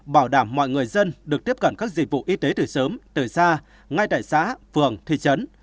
bảo đảm mọi người dân được tiếp cận các dịch vụ y tế từ sớm từ xa ngay tại xã phường thị trấn